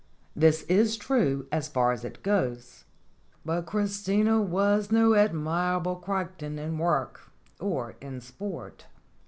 This is true as far as it goes. But Christina was no Admirable Crichton in work or in sport.